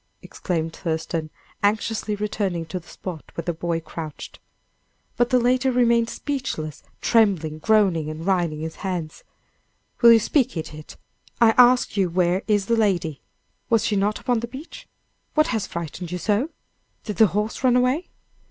exclaimed Thurston, anxiously returning to the spot where the boy crouched. But the latter remained speechless, trembling, groaning, and wringing his hands. "Will you speak, idiot? I ask you where is the lady? Was she not upon the beach? What has frightened you so? Did the horse run away?"